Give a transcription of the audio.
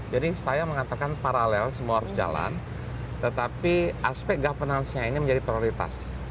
jadi saya mengatakan paralel semua harus jalan tetapi aspek governance nya ini menjadi prioritas